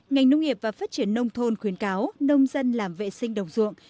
ngành nông nghiệp và phát triển nông thôn khuyến cáo nông dân làm vệ sinh đồng ruộng